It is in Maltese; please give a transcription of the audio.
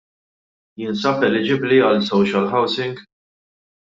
Jinsab eligibbli għal social housing?